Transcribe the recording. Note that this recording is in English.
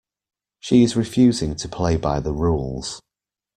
She is refusing to play by the rules.